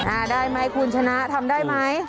อ่าได้ไหมคุณชนะทำได้ไหม